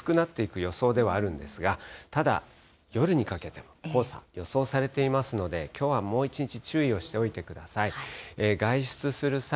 このあと日中以降を見ますと、だんだん黄砂、薄くなっていく予想ではあるんですが、ただ、夜にかけて、黄砂、予想されていますので、きょうはもう一日、注意をしておいてください。